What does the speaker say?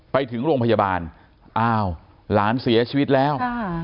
ไปถึงโรงพยาบาลอ้าวหลานเสียชีวิตแล้ว